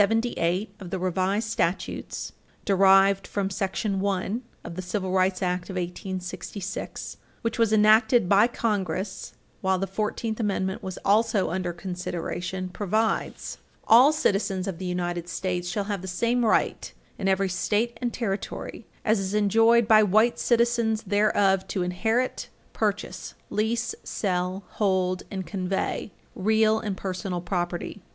S. 11 § 1978 of the Revised Statutes, derived from § 1 of the Civil Rights Act of 1866, which was enacted by Congress while the Fourteenth Amendment was also under consideration, [Footnote 8] provides: "All citizens of the United States shall have the same right, in every State and Territory, as is enjoyed by white citizens thereof to inherit, purchase, lease, sell, hold, and convey real and personal property.